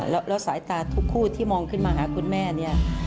แล้วสายตาทุกคู่ที่มองขึ้นมาหาคุณแม่เนี่ย